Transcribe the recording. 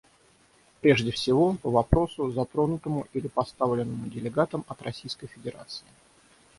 Прежде всего, по вопросу, затронутому или поставленному делегатом от Российской Федерации.